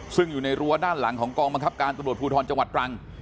ซึ่งอยู่ในรั้วด้านหลังของกองบังคับการตำรวจภูทรจังหวัดตรัง